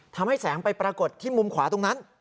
ทำให้แสงไปปรากฏที่มุมขวาตรงนั้น